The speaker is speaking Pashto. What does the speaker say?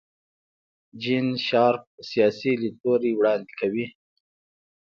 جین شارپ سیاسي لیدلوری وړاندې کوي.